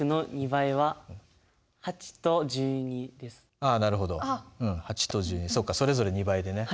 ああなるほど８と１２それぞれ２倍でね。